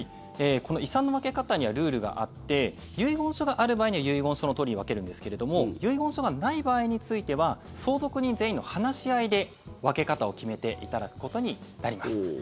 遺産の分け方にはルールがあって遺言書がある場合には遺言書のとおりに分けるんですけれども遺言書がない場合については相続人全員の話し合いで分け方を決めていただくことになります。